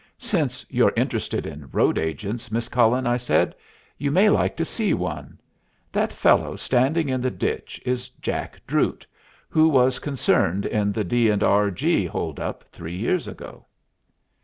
"Since you're interested in road agents, Miss Cullen," I said, "you may like to see one. That fellow standing in the ditch is Jack Drute, who was concerned in the D. & R. G. hold up three years ago."